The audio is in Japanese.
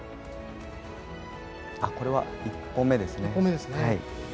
今のは１本目ですかね。